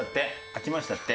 飽きましたって。